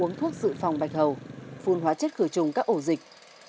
uống thuốc dự phòng bạch hầu phun hóa chất khử trùng các ổ dịch